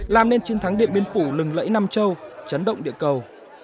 làm nên chiến thắng điện biên phủ lừng lẫy nam châu chấn động địa cầu